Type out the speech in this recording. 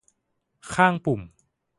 ข้างปุ่ม